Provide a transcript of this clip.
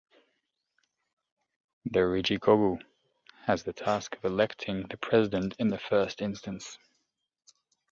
The Riigikogu has the task of electing the president in the first instance.